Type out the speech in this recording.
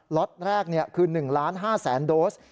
ล็อตแรกคือ๑๕๐๐๐โดส